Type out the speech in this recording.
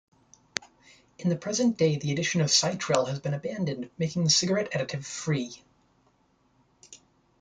In present day the addition of Cytrel has been abandoned, making the cigarette additive-free.